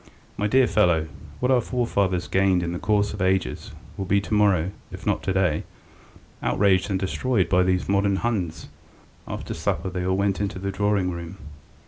My dear fellow, what our forefathers gained in the course of ages will be to morrow, if not to day, outraged and destroyed by these modern Huns. ..." After supper they all went into the drawing room.